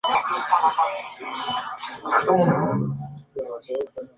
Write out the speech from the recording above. Actualmente se comercializan dos tipos, tradicional y blanca.